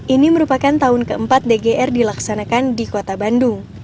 ini merupakan tahun keempat dgr dilaksanakan di kota bandung